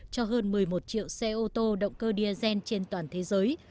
cho hơn một mươi một triệu xe ô tô động cơ diesel trên toàn thế giới